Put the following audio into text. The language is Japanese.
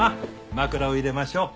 枕を入れましょう。